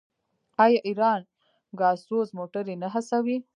آیا ایران ګازسوز موټرې نه هڅوي؟